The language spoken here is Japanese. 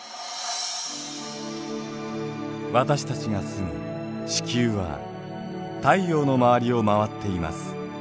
私たちが住む地球は太陽の周りを回っています。